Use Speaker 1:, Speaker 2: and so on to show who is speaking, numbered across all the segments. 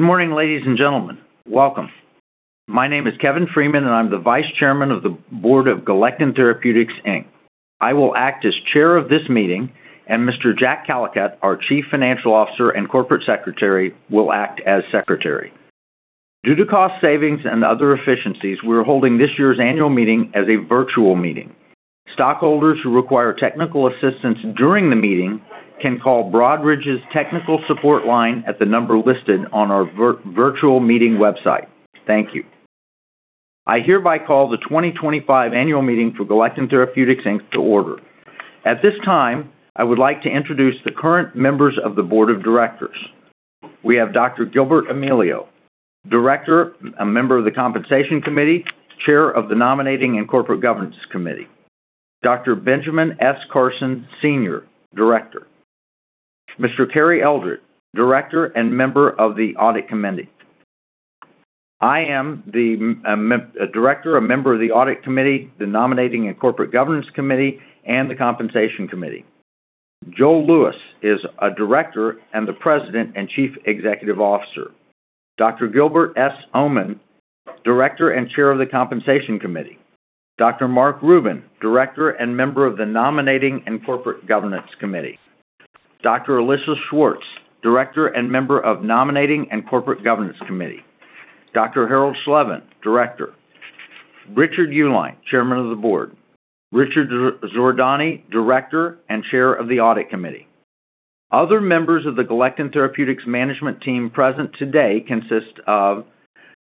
Speaker 1: Good morning, ladies and gentlemen. Welcome. My name is Kevin Freeman, and I'm the Vice Chairman of the Board of Galectin Therapeutics, Inc. I will act as Chair of this meeting, and Mr. Jack Callicutt, our Chief Financial Officer and Corporate Secretary, will act as Secretary. Due to cost savings and other efficiencies, we are holding this year's annual meeting as a virtual meeting. Stockholders who require technical assistance during the meeting can call Broadridge's technical support line at the number listed on our virtual meeting website. Thank you. I hereby call the 2025 annual meeting for Galectin Therapeutics, Inc., to order. At this time, I would like to introduce the current members of the Board of Directors. We have Dr. Gilbert F. Amelio, Director, a member of the Compensation Committee, Chair of the Nominating and Corporate Governance Committee. Dr. Benjamin S. Carson Senior, Director. Mr. Cary J. Claiborne, Director and member of the Audit Committee. I am the Director, a member of the Audit Committee, the Nominating and Corporate Governance Committee, and the Compensation Committee. Joel Lewis is a Director and the President and Chief Executive Officer. Dr. Gilbert S. Omenn, Director and Chair of the Compensation Committee. Dr. Mark A. Rubin, Director and member of the Nominating and Corporate Governance Committee. Dr. Elissa J. Schwartz, Director and member of Nominating and Corporate Governance Committee. Dr. Harold H. Shlevin, Director. Richard E. Uihlein, Chairman of the Board. Richard A. Zordani, Director and Chair of the Audit Committee. Other members of the Galectin Therapeutics management team present today consist of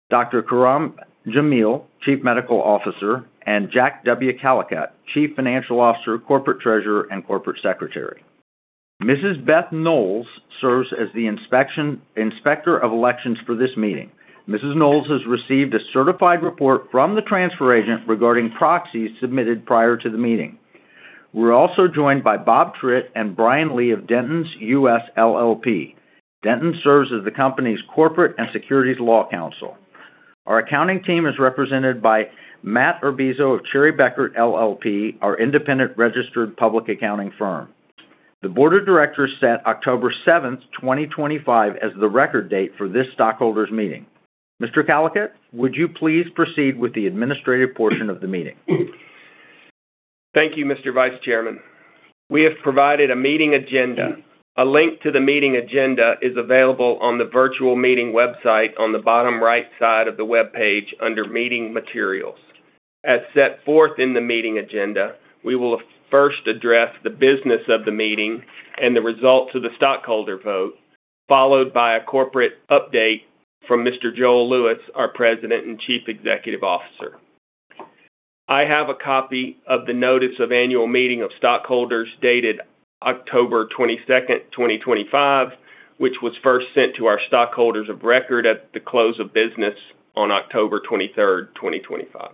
Speaker 1: Dr. Khurram Jamil, Chief Medical Officer, and Jack W. Callicutt, Chief Financial Officer, Corporate Treasurer, and Corporate Secretary. Mrs. Beth Knowles serves as the Inspector of Elections for this meeting. Mrs. Knowles has received a certified report from the transfer agent regarding proxies submitted prior to the meeting. We're also joined by Bob Tritt and Brian Lee of Dentons US LLP. Dentons serves as the company's corporate and securities law counsel. Our accounting team is represented by Matt Urbizo of Cherry Bekaert LLP, our independent registered public accounting firm. The Board of Directors set October 7, 2025, as the record date for this stockholders' meeting. Mr. Callicutt, would you please proceed with the administrative portion of the meeting?
Speaker 2: Thank you, Mr. Vice Chairman. We have provided a meeting agenda. A link to the meeting agenda is available on the virtual meeting website on the bottom right side of the web page under Meeting Materials. As set forth in the meeting agenda, we will first address the business of the meeting and the results of the stockholder vote, followed by a corporate update from Mr. Joel Lewis, our President and Chief Executive Officer. I have a copy of the Notice of Annual Meeting of Stockholders dated October 22, 2025, which was first sent to our stockholders of record at the close of business on October 23, 2025.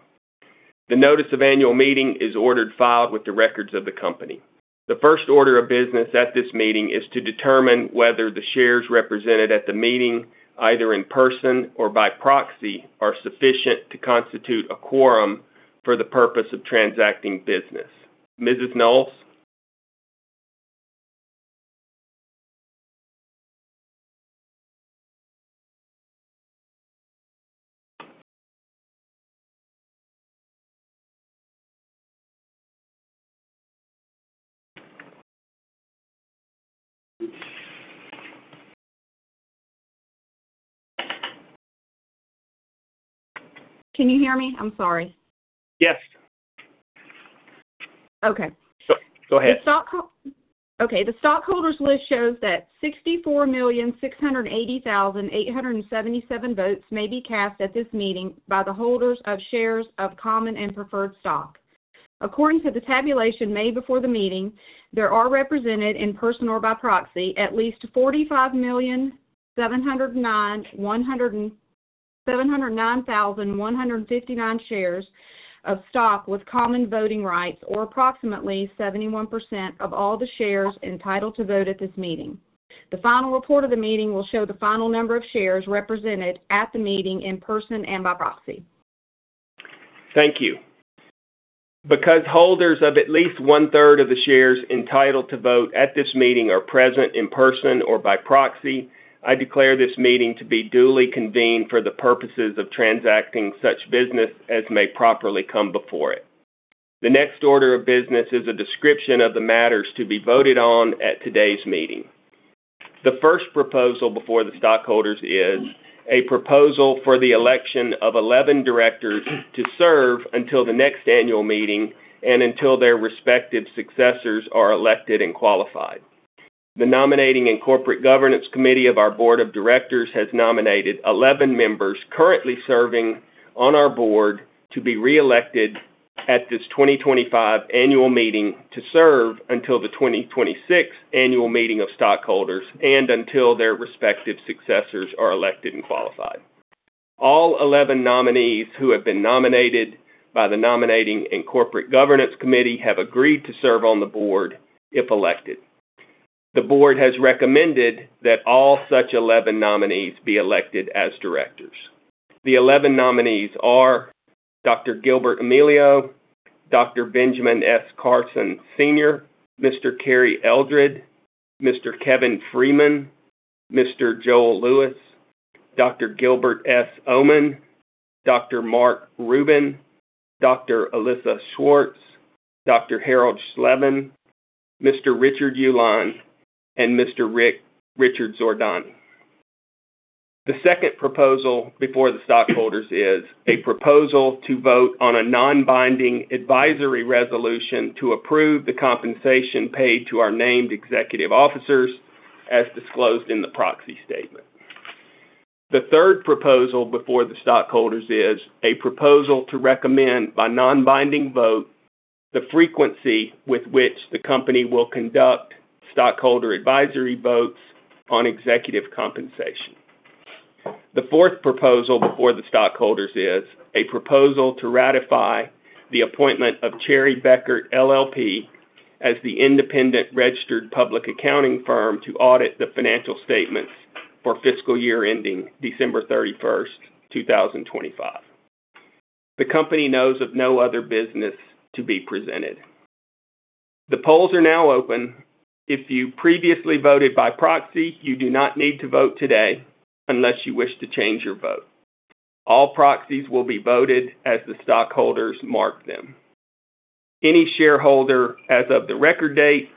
Speaker 2: The Notice of Annual Meeting is ordered filed with the records of the company. The first order of business at this meeting is to determine whether the shares represented at the meeting, either in person or by proxy, are sufficient to constitute a quorum for the purpose of transacting business. Mrs. Knowles? Can you hear me? I'm sorry. Yes. Okay. Go ahead. The stockholders' list shows that 64,680,877 votes may be cast at this meeting by the holders of shares of common and preferred stock. According to the tabulation made before the meeting, there are represented in person or by proxy at least 45,709,159 shares of stock with common voting rights, or approximately 71% of all the shares entitled to vote at this meeting. The final report of the meeting will show the final number of shares represented at the meeting in person and by proxy. Thank you. Because holders of at least one-third of the shares entitled to vote at this meeting are present in person or by proxy, I declare this meeting to be duly convened for the purposes of transacting such business as may properly come before it. The next order of business is a description of the matters to be voted on at today's meeting. The first proposal before the stockholders is a proposal for the election of 11 directors to serve until the next annual meeting and until their respective successors are elected and qualified. The Nominating and Corporate Governance Committee of our Board of Directors has nominated 11 members currently serving on our board to be re-elected at this 2025 annual meeting to serve until the 2026 annual meeting of stockholders and until their respective successors are elected and qualified. All 11 nominees who have been nominated by the Nominating and Corporate Governance Committee have agreed to serve on the board if elected. The board has recommended that all such 11 nominees be elected as directors. The 11 nominees are Dr. Gilbert F. Amelio, Dr. Benjamin S. Carson Senior., Mr. Cary J. Claiborne, Mr. Kevin D. Freeman, Mr. Joel Lewis, Dr. Gilbert S. Omenn, Dr. Mark A. Rubin, Dr. Elissa J. Schwartz, Dr. Harold H. Shlevin, Mr. Richard E. Uihlein, and Mr. Richard A. Zordani. The second proposal before the stockholders is a proposal to vote on a non-binding advisory resolution to approve the compensation paid to our named executive officers, as disclosed in the proxy statement. The third proposal before the stockholders is a proposal to recommend by non-binding vote the frequency with which the company will conduct stockholder advisory votes on executive compensation. The fourth proposal before the stockholders is a proposal to ratify the appointment of Cherry Bekaert LLP as the independent registered public accounting firm to audit the financial statements for fiscal year ending December 31, 2025. The company knows of no other business to be presented. The polls are now open. If you previously voted by proxy, you do not need to vote today unless you wish to change your vote. All proxies will be voted as the stockholders mark them. Any shareholder as of the record date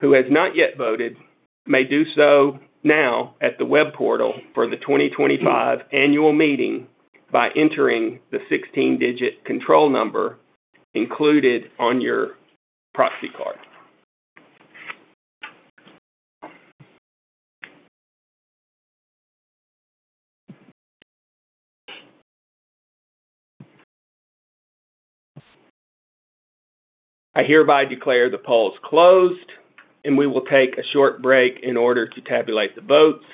Speaker 2: who has not yet voted may do so now at the web portal for the 2025 annual meeting by entering the 16-digit control number included on your proxy card. I hereby declare the polls closed, and we will take a short break in order to tabulate the votes.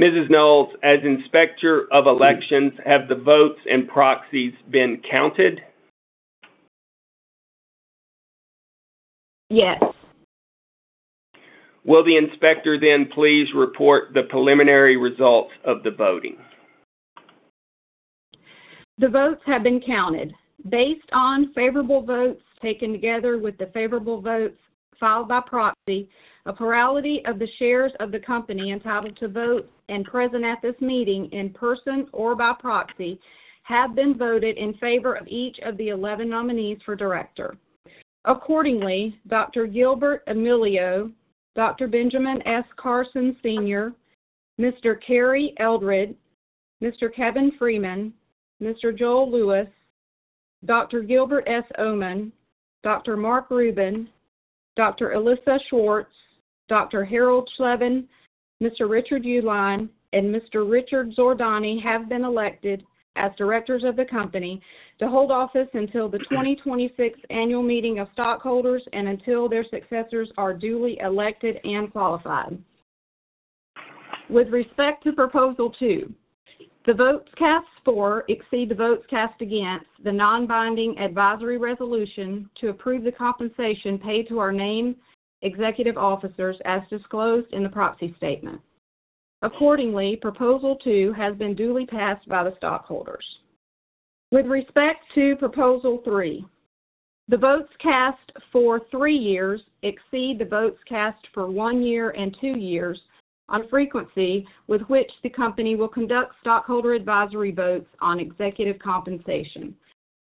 Speaker 2: Mrs. Knowles, as Inspector of Elections, have the votes and proxies been counted? Yes. Will the Inspector then please report the preliminary results of the voting? The votes have been counted. Based on favorable votes taken together with the favorable votes filed by proxy, a plurality of the shares of the company entitled to vote and present at this meeting in person or by proxy have been voted in favor of each of the 11 nominees for director. Accordingly, Dr. Gilbert F. Amelio, Dr. Benjamin S. Carson Sr., Mr. Cary J. Claiborne, Mr. Kevin D. Freeman, Mr. Joel Lewis, Dr. Gilbert S. Omenn, Dr. Mark A. Rubin, Dr. Elissa J. Schwartz, Dr. Harold H. Shlevin, Mr. Richard E. Uihlein, and Mr. Richard A. Zordani have been elected as directors of the company to hold office until the 2026 annual meeting of stockholders and until their successors are duly elected and qualified. With respect to Proposal 2, the votes cast for exceed the votes cast against the non-binding advisory resolution to approve the compensation paid to our named executive officers as disclosed in the proxy statement. Accordingly, Proposal 2 has been duly passed by the stockholders. With respect to Proposal 3, the votes cast for three years exceed the votes cast for one year and two years on frequency with which the company will conduct stockholder advisory votes on executive compensation.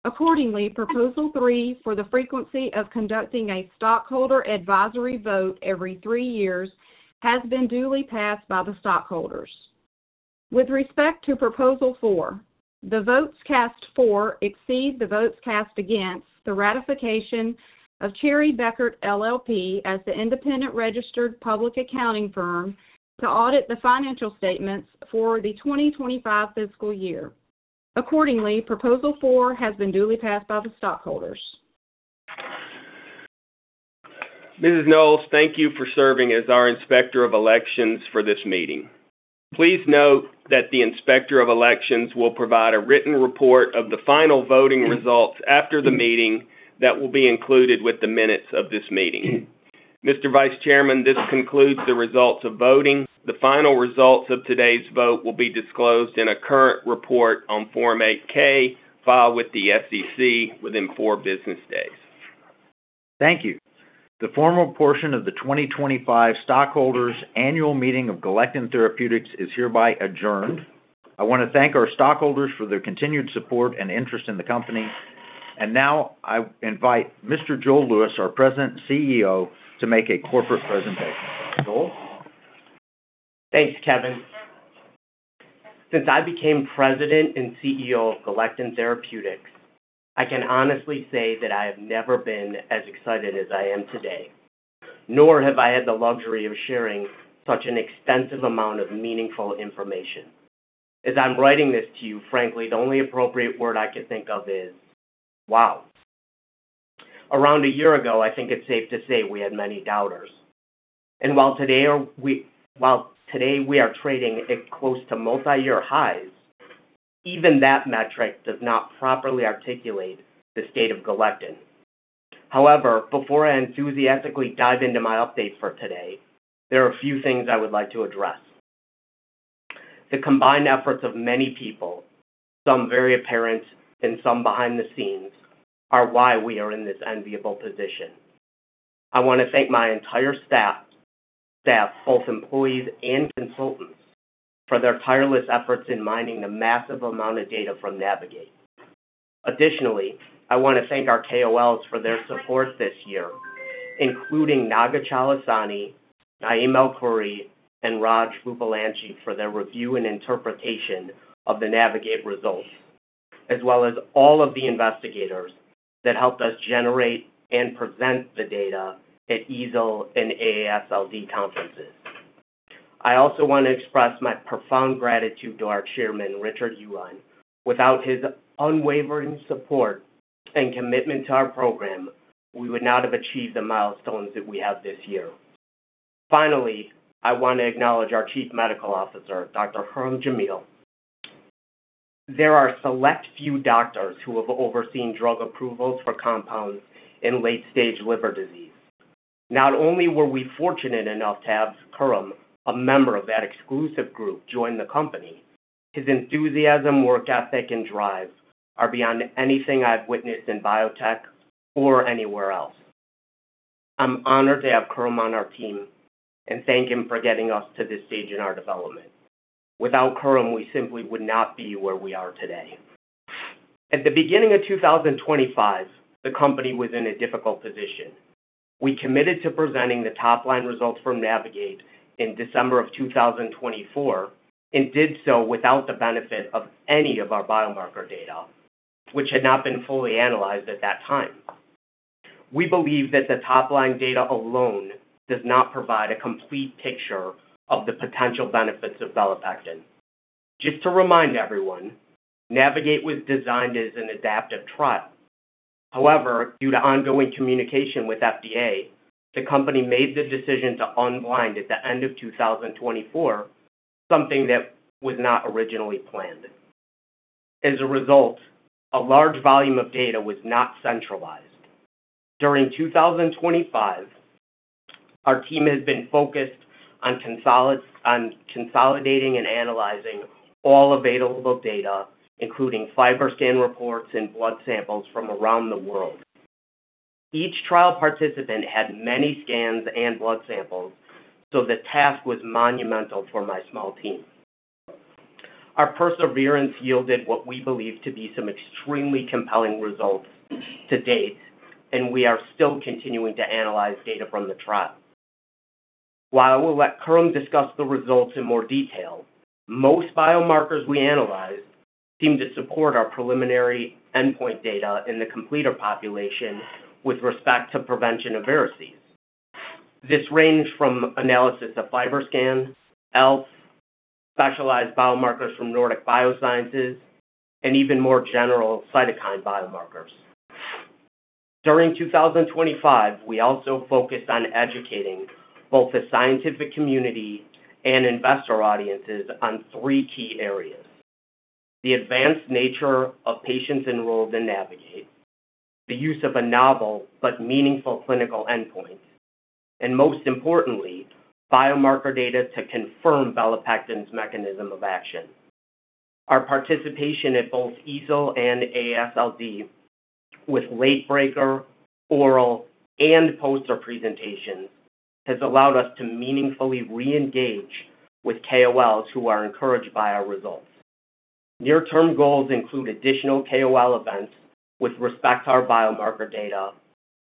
Speaker 2: Accordingly, Proposal 3 for the frequency of conducting a stockholder advisory vote every three years has been duly passed by the stockholders. With respect to Proposal 4, the votes cast for exceed the votes cast against the ratification of Cherry Bekaert LLP as the independent registered public accounting firm to audit the financial statements for the 2025 fiscal year. Accordingly, Proposal 4 has been duly passed by the stockholders. Mrs. Knowles, thank you for serving as our Inspector of Elections for this meeting. Please note that the Inspector of Elections will provide a written report of the final voting results after the meeting that will be included with the minutes of this meeting. Mr. Vice Chairman, this concludes the results of voting. The final results of today's vote will be disclosed in a current report on Form 8-K filed with the SEC within four business days.
Speaker 1: Thank you. The formal portion of the 2025 stockholders' annual meeting of Galectin Therapeutics is hereby adjourned. I want to thank our stockholders for their continued support and interest in the company. And now I invite Mr. Joel Lewis, our President and CEO, to make a corporate presentation. Joel?
Speaker 3: Thanks, Kevin. Since I became President and CEO of Galectin Therapeutics, I can honestly say that I have never been as excited as I am today, nor have I had the luxury of sharing such an extensive amount of meaningful information. As I'm writing this to you, frankly, the only appropriate word I could think of is, wow. Around a year ago, I think it's safe to say we had many doubters. And while today we are trading at close to multi-year highs, even that metric does not properly articulate the state of Galectin. However, before I enthusiastically dive into my update for today, there are a few things I would like to address. The combined efforts of many people, some very apparent and some behind the scenes, are why we are in this enviable position. I want to thank my entire staff, both employees and consultants, for their tireless efforts in mining a massive amount of data from Navigate. Additionally, I want to thank our KOLs for their support this year, including Naga Chalasani, Naim Alkhouri, and Raj Vuppalanchi for their review and interpretation of the Navigate results, as well as all of the investigators that helped us generate and present the data at EASL and AASLD conferences. I also want to express my profound gratitude to our Chairman, Richard E. Uihlein. Without his unwavering support and commitment to our program, we would not have achieved the milestones that we have this year. Finally, I want to acknowledge our Chief Medical Officer, Dr. Khurram Jamil. There are a select few doctors who have overseen drug approvals for compounds in late-stage liver disease. Not only were we fortunate enough to have Khurram, a member of that exclusive group, join the company. His enthusiasm, work ethic, and drive are beyond anything I've witnessed in biotech or anywhere else. I'm honored to have Khurram on our team and thank him for getting us to this stage in our development. Without Khurram, we simply would not be where we are today. At the beginning of 2025, the company was in a difficult position. We committed to presenting the top-line results from Navigate in December of 2024 and did so without the benefit of any of our biomarker data, which had not been fully analyzed at that time. We believe that the top-line data alone does not provide a complete picture of the potential benefits of belapectin. Just to remind everyone, Navigate was designed as an adaptive trial. However, due to ongoing communication with FDA, the company made the decision to unblind at the end of 2024, something that was not originally planned. As a result, a large volume of data was not centralized. During 2025, our team has been focused on consolidating and analyzing all available data, including FibroScan reports and blood samples from around the world. Each trial participant had many scans and blood samples, so the task was monumental for my small team. Our perseverance yielded what we believe to be some extremely compelling results to date, and we are still continuing to analyze data from the trial. While I will let Khurram discuss the results in more detail, most biomarkers we analyzed seem to support our preliminary endpoint data in the completer population with respect to prevention of varices. This ranged from analysis of FibroScan, ELF, specialized biomarkers from Nordic Biosciences, and even more general cytokine biomarkers. During 2025, we also focused on educating both the scientific community and investor audiences on three key areas: the advanced nature of patients enrolled in Navigate, the use of a novel but meaningful clinical endpoint, and most importantly, biomarker data to confirm Belapectin's mechanism of action. Our participation at both EASL and AASLD, with late breaker, oral, and poster presentations, has allowed us to meaningfully re-engage with KOLs who are encouraged by our results. Near-term goals include additional KOL events with respect to our biomarker data,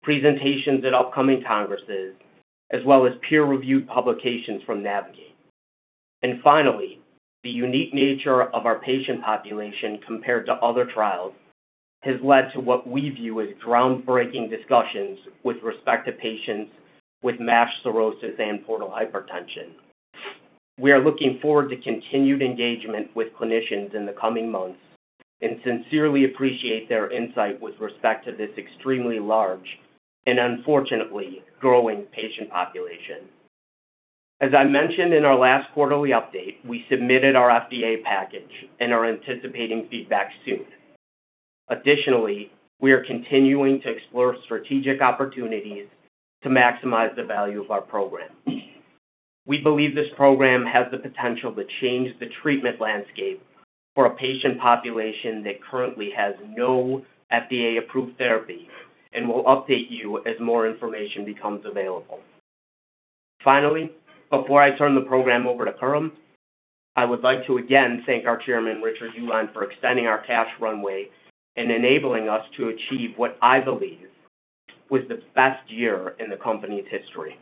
Speaker 3: presentations at upcoming congresses, as well as peer-reviewed publications from Navigate. And finally, the unique nature of our patient population compared to other trials has led to what we view as groundbreaking discussions with respect to patients with MASH cirrhosis and portal hypertension. We are looking forward to continued engagement with clinicians in the coming months and sincerely appreciate their insight with respect to this extremely large and unfortunately growing patient population. As I mentioned in our last quarterly update, we submitted our FDA package and are anticipating feedback soon. Additionally, we are continuing to explore strategic opportunities to maximize the value of our program. We believe this program has the potential to change the treatment landscape for a patient population that currently has no FDA-approved therapy and will update you as more information becomes available. Finally, before I turn the program over to Khurram, I would like to again thank our Chairman, Richard E. Uihlein, for extending our cash runway and enabling us to achieve what I believe was the best year in the company's history.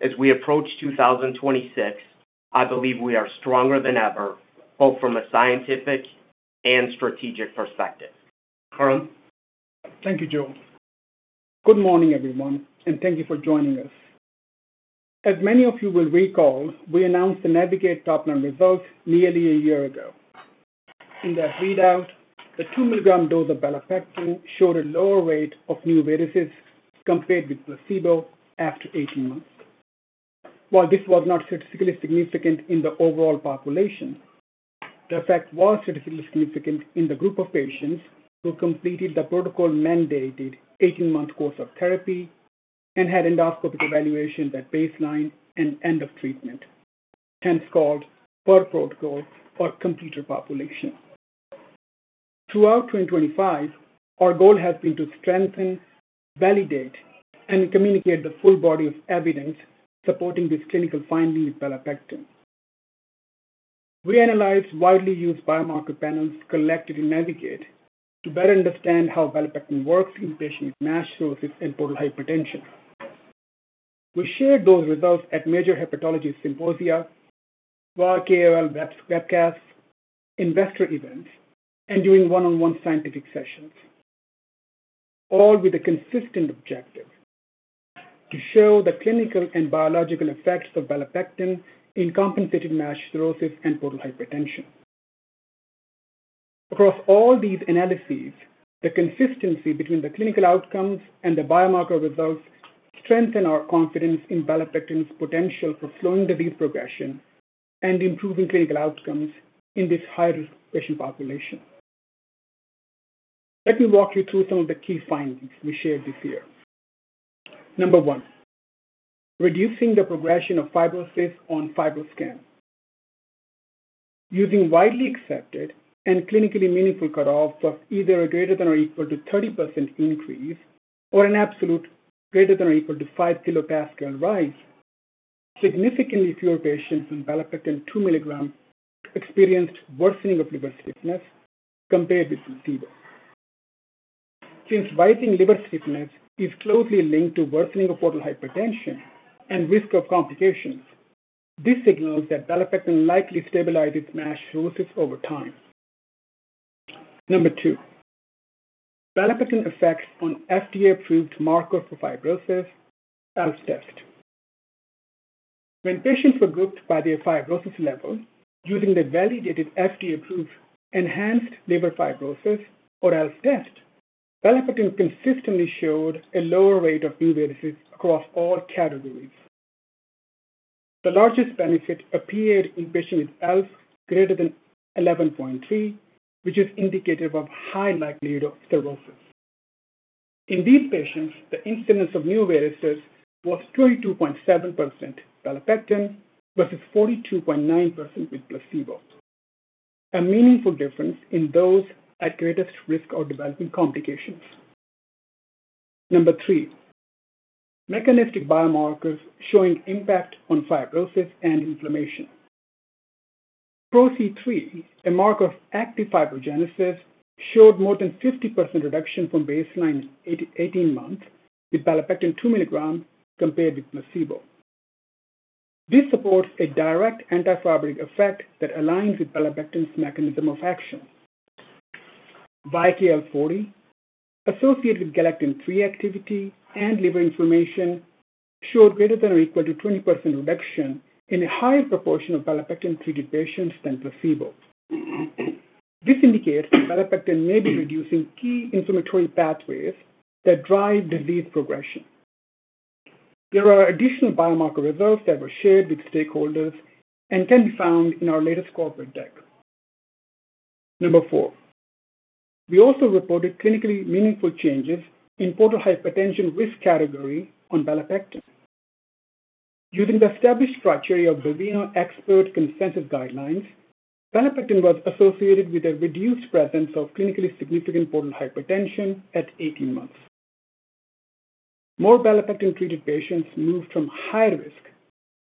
Speaker 3: As we approach 2026, I believe we are stronger than ever, both from a scientific and strategic perspective. Khurram?
Speaker 4: Thank you, Joel. Good morning, everyone, and thank you for joining us. As many of you will recall, we announced the Navigate top-line results nearly a year ago. In that readout, the two-milligram dose of belapectin showed a lower rate of new varices compared with placebo after 18 months. While this was not statistically significant in the overall population, the effect was statistically significant in the group of patients who completed the protocol-mandated 18-month course of therapy and had endoscopic evaluation at baseline and end of treatment, hence called per protocol or completer population. Throughout 2025, our goal has been to strengthen, validate, and communicate the full body of evidence supporting this clinical finding with belapectin. We analyzed widely used biomarker panels collected in Navigate to better understand how belapectin works in patients with MASH cirrhosis and portal hypertension. We shared those results at major hepatology symposia, various KOL webcasts, investor events, and during one-on-one scientific sessions, all with a consistent objective: to show the clinical and biological effects of Belapectin in compensated MASH cirrhosis and portal hypertension. Across all these analyses, the consistency between the clinical outcomes and the biomarker results strengthen our confidence in Belapectin's potential for slowing disease progression and improving clinical outcomes in this high-risk patient population. Let me walk you through some of the key findings we shared this year. Number one, reducing the progression of fibrosis on FibroScan. Using widely accepted and clinically meaningful cutoffs of either a greater than or equal to 30% increase or an absolute greater than or equal to 5 kilopascal rise, significantly fewer patients on Belapectin 2 milligrams experienced worsening of liver stiffness compared with placebo. Since rising liver stiffness is closely linked to worsening of portal hypertension and risk of complications, this signals that Belapectin likely stabilizes MASH cirrhosis over time. Number two, Belapectin effects on FDA-approved marker for fibrosis, ELF test. When patients were grouped by their fibrosis level using the validated FDA-approved enhanced liver fibrosis or ELF test, Belapectin consistently showed a lower rate of new varices across all categories. The largest benefit appeared in patients with ELF greater than 11.3, which is indicative of high likelihood of cirrhosis. In these patients, the incidence of new varices was 22.7% Belapectin versus 42.9% with placebo, a meaningful difference in those at greatest risk of developing complications. Number three, mechanistic biomarkers showing impact on fibrosis and inflammation. Pro-C3, a marker of active fibrogenesis, showed more than 50% reduction from baseline 18 months with Belapectin 2 milligrams compared with placebo. This supports a direct antifibrotic effect that aligns with belapectin's mechanism of action. YKL-40, associated with galectin-3 activity and liver inflammation, showed greater than or equal to 20% reduction in a higher proportion of belapectin-treated patients than placebo. This indicates that belapectin may be reducing key inflammatory pathways that drive disease progression. There are additional biomarker results that were shared with stakeholders and can be found in our latest corporate deck. Number four, we also reported clinically meaningful changes in portal hypertension risk category on belapectin. Using the established criteria of Baveno Expert Consensus Guidelines, belapectin was associated with a reduced presence of clinically significant portal hypertension at 18 months. More belapectin-treated patients moved from high-risk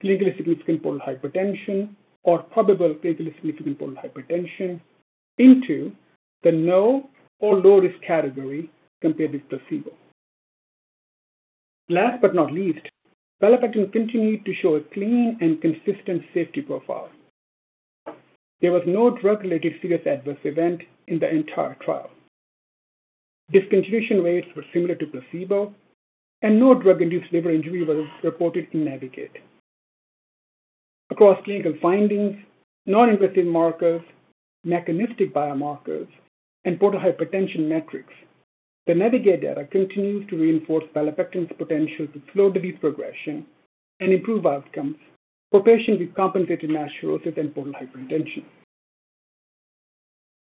Speaker 4: clinically significant portal hypertension or probable clinically significant portal hypertension into the no or low-risk category compared with placebo. Last but not least, belapectin continued to show a clean and consistent safety profile. There was no drug-related serious adverse event in the entire trial. Discontinuation rates were similar to placebo, and no drug-induced liver injury was reported in Navigate. Across clinical findings, non-invasive markers, mechanistic biomarkers, and portal hypertension metrics, the Navigate data continues to reinforce Belapectin's potential to slow disease progression and improve outcomes for patients with compensated MASH cirrhosis and portal hypertension.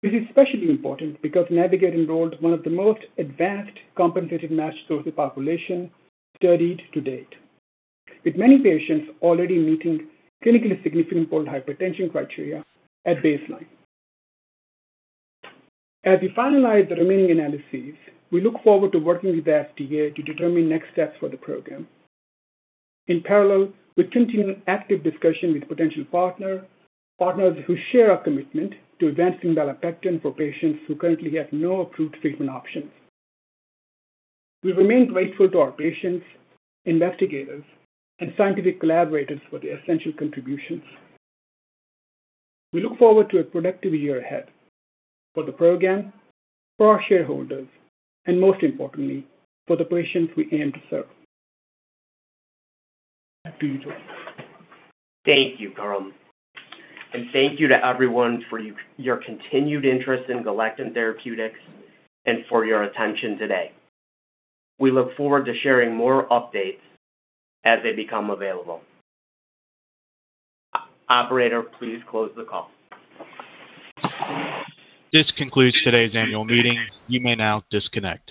Speaker 4: This is especially important because Navigate enrolled one of the most advanced compensated MASH cirrhosis populations studied to date, with many patients already meeting clinically significant portal hypertension criteria at baseline. As we finalize the remaining analyses, we look forward to working with the FDA to determine next steps for the program. In parallel, we continue active discussion with potential partners, partners who share our commitment to advancing Belapectin for patients who currently have no approved treatment options. We remain grateful to our patients, investigators, and scientific collaborators for their essential contributions. We look forward to a productive year ahead for the program, for our shareholders, and most importantly, for the patients we aim to serve. Back to you, Joel.
Speaker 3: Thank you, Khurram. And thank you to everyone for your continued interest in Galectin Therapeutics and for your attention today. We look forward to sharing more updates as they become available. Operator, please close the call.
Speaker 5: This concludes today's annual meeting. You may now disconnect.